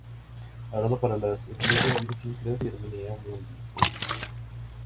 Ha grabado para las etiquetas Virgin Classics y Harmonia Mundi.